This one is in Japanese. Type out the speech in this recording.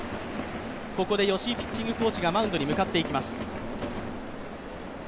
ここで吉井ピッチングコーチがマウンドに向かっていきます。